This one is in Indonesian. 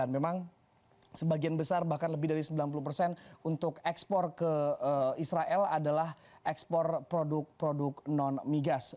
memang sebagian besar bahkan lebih dari sembilan puluh persen untuk ekspor ke israel adalah ekspor produk produk non migas